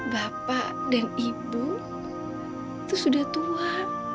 bapak dan ibu itu sudah tua